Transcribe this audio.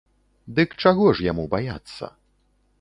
Дык чаго ж яму баяцца?